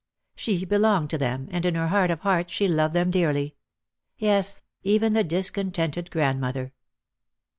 She belonged to them, and in her heart of hearts she loved them dearly — yes, even the discontented grand mother.